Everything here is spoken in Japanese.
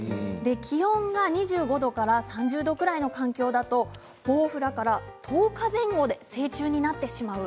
気温が２５度から３０度くらいの環境だとボウフラから１０日前後で成虫になってしまう。